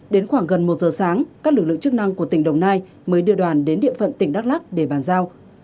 đến khoảng gần một giờ sáng các lực lượng chức năng của tỉnh đồng nai mới đưa đoàn đến địa phận tỉnh đắk lắc để bàn giao